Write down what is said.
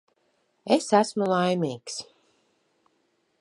Es esmu laimīgs.